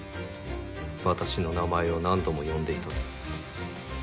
私の名前を何度も呼んでいたと。